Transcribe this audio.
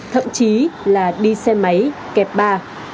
thậm chí là đi xe máy kẹp ba